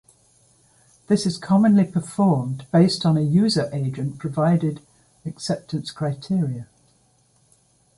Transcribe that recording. This is commonly performed based on an user-agent provided acceptance criteria.